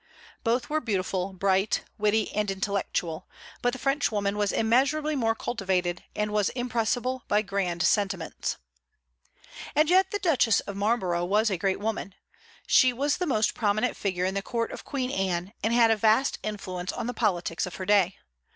Both were beautiful, bright, witty, and intellectual; but the Frenchwoman was immeasurably more cultivated, and was impressible by grand sentiments. And yet the Duchess of Marlborough was a great woman. She was the most prominent figure in the Court of Queen Anne, and had a vast influence on the politics of her day.